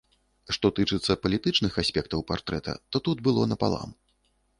Што тычыцца палітычных аспектаў партрэта, то тут было напалам.